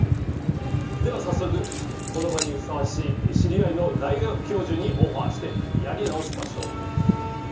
では早速この場にふさわしい知り合いの大学教授にオファーしてやり直しましょう。